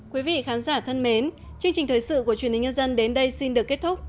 quý vị khán giả thân mến chương trình thời sự của truyền hình nhân dân đến đây xin được kết thúc